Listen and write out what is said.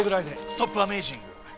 ストップアメージング。